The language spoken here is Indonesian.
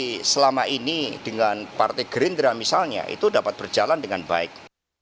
jadi selama ini dengan partai gerindra misalnya itu dapat berjalan dengan baik